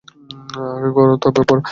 আগে ঘর, তবে পর।